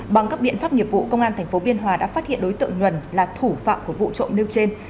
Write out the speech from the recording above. bằng các biện pháp nghiệp vụ công an tp biên hòa đã phát hiện đối tượng nhuần là thủ phạm của vụ trộm nêu trên